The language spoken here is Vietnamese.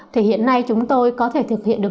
thì hiện nay chúng tôi có thể thực hiện được